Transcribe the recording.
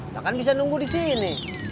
jangan bisa nunggu di sini